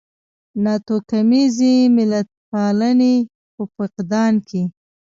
ناتوکمیزې ملتپالنې په فقدان کې.